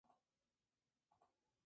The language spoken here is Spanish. Y no fue Curro Romero.